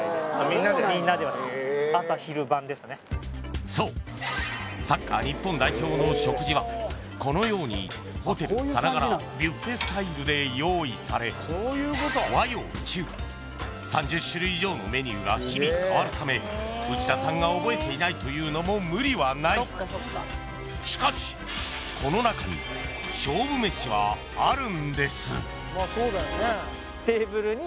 みんなでそうサッカー日本代表の食事はこのようにホテルさながらビュッフェスタイルで用意され和洋中３０種類以上のメニューが日々かわるため内田さんが覚えていないというのも無理はないしかしこの中に勝負メシはあるんです